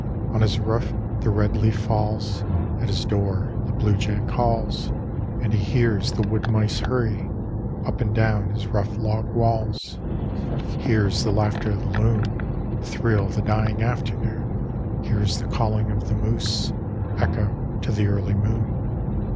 On his roof the red leaf falls, At his door the blue jay calls, And he hears the wood mice hurry Up and down his rough log walls; Hears the laughter of the loon Thrill the dying afternoon, Hears the calling of the moose Echo to the early moon.